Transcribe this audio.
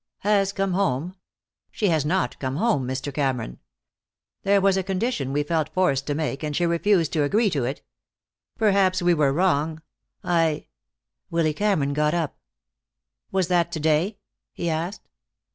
"Has come home? She has not come home, Mr. Cameron. There was a condition we felt forced to make, and she refused to agree to it. Perhaps we were wrong. I " Willy Cameron got up. "Was that to day?" he asked.